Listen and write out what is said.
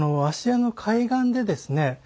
芦屋の海岸でですね